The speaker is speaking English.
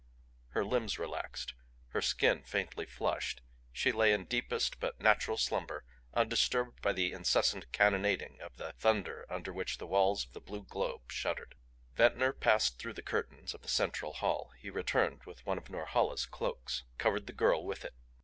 Her limbs relaxed, her skin faintly flushed, she lay in deepest but natural slumber undisturbed by the incessant cannonading of the thunder under which the walls of the blue globe shuddered. Ventnor passed through the curtains of the central hall; he returned with one of Norhala's cloaks; covered the girl with it.